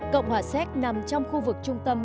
cộng hòa séc nằm trong khu vực trung tâm